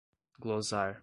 glosar